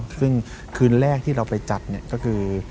ซึ่งคืนแรกที่เราไปจัดก็คือ